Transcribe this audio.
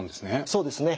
そうですね。